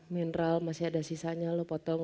mineral masih ada sisanya lo potong